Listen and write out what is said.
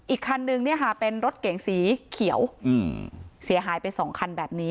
อีกคันนึงเนี่ยค่ะเป็นรถเก๋งสีเขียวเสียหายไปสองคันแบบนี้